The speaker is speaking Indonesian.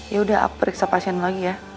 ya udah aku periksa pasien lo lagi ya